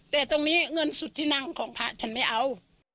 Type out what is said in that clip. แต่ตรงนี้เงินสุดที่นั่งของพระฉันไม่เอา